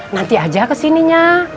nanti aja kesininya